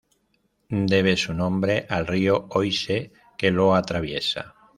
Debe su nombre al río Oise, que lo atraviesa.